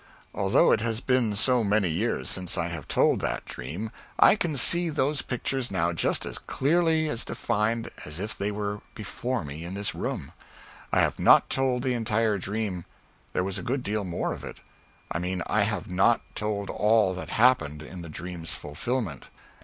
Although it has been so many years since I have told that dream, I can see those pictures now just as clearly defined as if they were before me in this room. I have not told the entire dream. There was a good deal more of it. I mean I have not told all that happened in the dream's fulfilment.